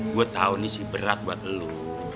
bu tahun ni sih berat buat lu